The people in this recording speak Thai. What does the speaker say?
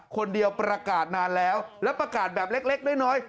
คนเดียวประกาศนานแล้วแล้วประกาศแบบเล็กน้อย